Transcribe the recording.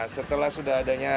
setelah sudah adanya